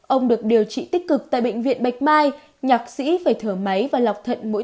ông được điều trị tích cực tại bệnh viện bạch mai